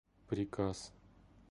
приказ